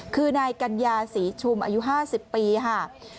คือนายกัญญาศรีชุมอายุ๕๐ปีค่ะ